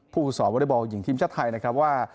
ผู้สอบวอเล็กบอลหญิงทีมชาติไทยนะครับว่า